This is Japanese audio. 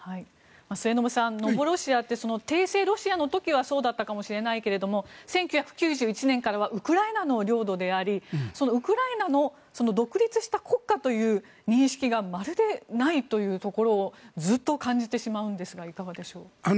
末延さん、ノボロシアって帝政ロシアの時はそうだったかもしれないけれども１９９１年からはウクライナの領土でありそのウクライナが独立した国家という認識がまるでないというところをずっと感じてしまうんですがいかがでしょうか。